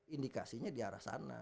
indikasinya diarah sana